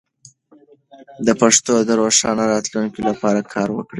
د پښتو د روښانه راتلونکي لپاره کار وکړئ.